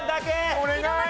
お願い。